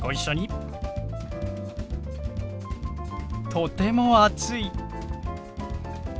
とても暑い。